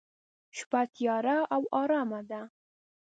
شپه تیاره او ارامه ده.